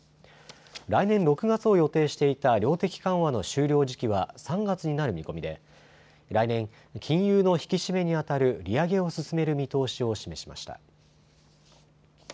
来年６月を予定していた量的緩和の終了時期は３月になる見込みで来年、金融の引き締めにあたる利上げを進める見通しを示しました。